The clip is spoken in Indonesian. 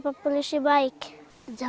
apa yang mereka bisa belajar